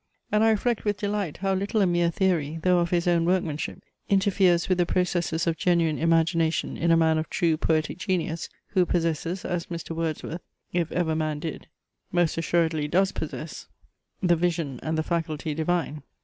And I reflect with delight, how little a mere theory, though of his own workmanship, interferes with the processes of genuine imagination in a man of true poetic genius, who possesses, as Mr. Wordsworth, if ever man did, most assuredly does possess, "The Vision and the Faculty divine."